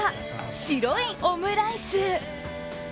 白いオムライス。